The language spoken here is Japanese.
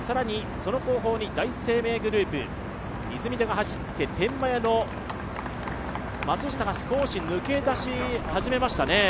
その後方に第一生命グループ・出水田が走って天満屋の松下が少し抜け出し始めましたね。